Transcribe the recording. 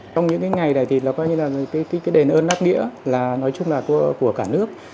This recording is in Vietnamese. trong những ngày này thì đền ơn đắt đĩa là nói chung là của cả nước